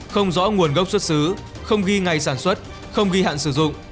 không rõ nguồn gốc xuất xứ không ghi ngày sản xuất không ghi hạn sử dụng